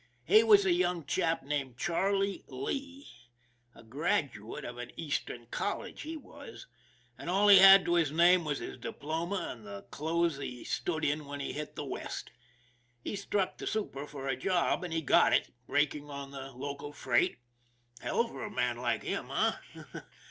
He was a young chap named Charlie Lee. A graduate of an Eastern college he was, and all he had to his name was his diploma and the clothes he stood in when he hit the West. He struck the super for a job, and he got it braking on the local freight. Hell for a man like him, eh?